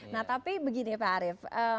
nah tapi begini pak arief